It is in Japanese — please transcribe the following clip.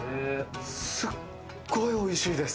すごいおいしいです。